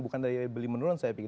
bukan daya beli menurun saya pikir